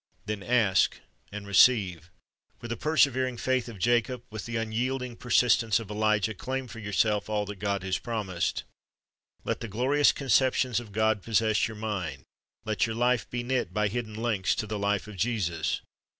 Then ask and receive. With the persevering faith of Jacob, with the unyielding persistence of Elijah, claim for yourself all that God has promised. Let the glorious conceptions of God possess your mind. Let your life be knit by hidden links to the life of Jesus.